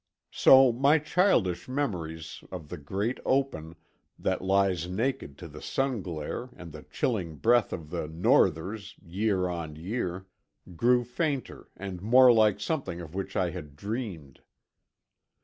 So my childish memories of the great open, that lies naked to the sun glare and the chilling breath of the northers year on year, grew fainter and more like something of which I had dreamed.